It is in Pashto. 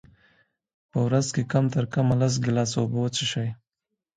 په ورځ کي کم ترکمه لس ګیلاسه اوبه وچیښئ